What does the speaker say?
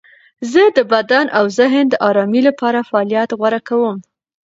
زه د بدن او ذهن د آرامۍ لپاره فعالیت غوره کوم.